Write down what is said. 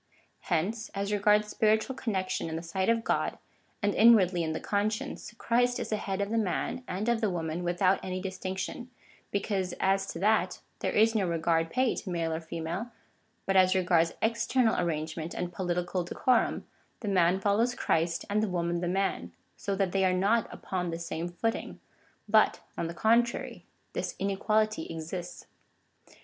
Hence, as regards spiritual connec tion in the sight of God, and inwardly in the conscience, Christ is the head of the man and of the woman without any distinction, because, as to that, there is no regard paid to male or female ; but as regards external arrangement and political decorum, the man follows Christ and the woman the man, so that they are not upon the same footing, but, on the contrary, this inequality exists.